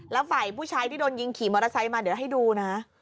แล้วฝ่ายผู้ชายที่โดนยิงขี่มอเตอร์ไซค์มาเดี๋ยวให้ดูนะ